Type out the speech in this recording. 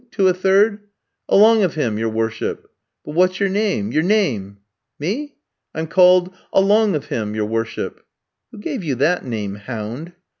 to a third. "'Along of him, your worship.' "'But what's your name your name?' "'Me? I'm called Along of him, your worship.' "'Who gave you that name, hound?'